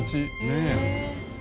ねえ。